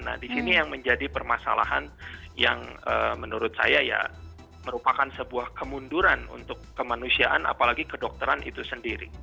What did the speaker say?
nah di sini yang menjadi permasalahan yang menurut saya ya merupakan sebuah kemunduran untuk kemanusiaan apalagi kedokteran itu sendiri